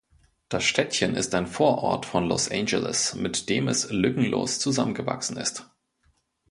Das Städtchen ist ein Vorort von Los Angeles, mit dem es lückenlos zusammengewachsen ist.